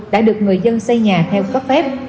đã được người dân xây nhà theo cấp phép